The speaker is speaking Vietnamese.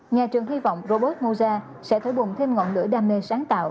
nhà trường hy vọng robot moza sẽ thổi bùng thêm ngọn lửa đam mê sáng tạo